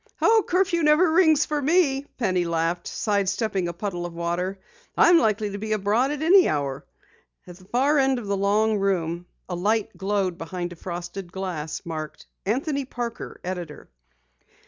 "Oh, curfew never rings for me," Penny laughed, side stepping a puddle of water. "I'm likely to be abroad at any hour." At the far end of the long room a light glowed behind a frosted glass door marked: "Anthony Parker Editor."